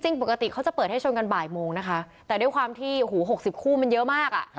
ปกติเขาจะเปิดให้ชนกันบ่ายโมงนะคะแต่ด้วยความที่โอ้โห๖๐คู่มันเยอะมากอ่ะ